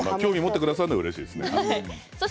興味を持ってくださるのはうれしいです。